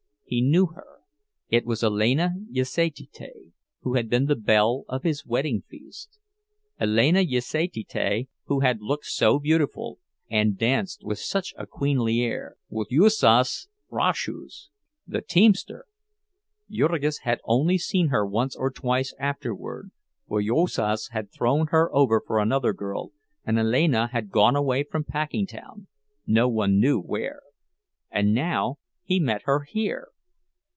He knew her. It was Alena Jasaityte, who had been the belle of his wedding feast! Alena Jasaityte, who had looked so beautiful, and danced with such a queenly air, with Juozas Raczius, the teamster! Jurgis had only seen her once or twice afterward, for Juozas had thrown her over for another girl, and Alena had gone away from Packingtown, no one knew where. And now he met her here!